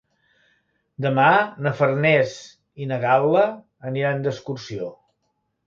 Demà na Farners i na Gal·la aniran d'excursió.